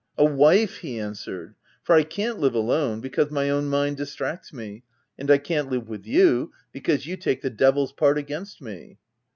"* A wife/ he answered ;' for I can't live alone, because my own mind distracts me, and I can't live with you, because you take the devil's part against me.'